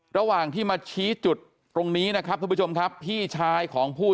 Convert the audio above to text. ระหว่างที่มาชี้จุดตรงนี้นะครับทุกผู้ชมครับพี่ชายของผู้